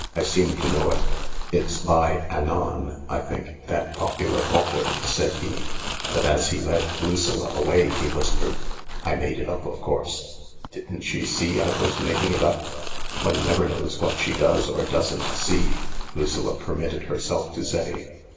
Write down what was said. " I seem to know it," THE LARK 265 " It's by 1 Anon/ I think — that popular author," said he, but as he led Lucilla away he whispered :" I made it up, of course ; didn't she see I was making it up ?"" One never knows what she does or doesn't see," Lucilla permitted herself to say.